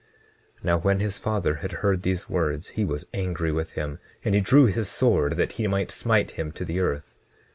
20:16 Now when his father had heard these words, he was angry with him, and he drew his sword that he might smite him to the earth.